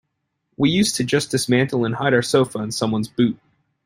We used to just dismantle and hide our sofa in someone's boot.